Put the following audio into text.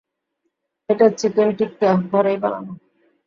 এটা চিকেন টিক্কা, ঘরেই বানানো।